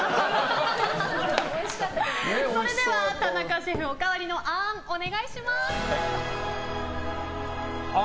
それでは田中シェフおかわりのあーん、お願いします。